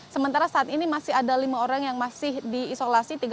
sementara saat ini masih ada lima orang yang masih diisolasi